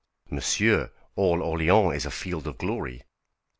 "Monsieur! all Orléans is a field of glory.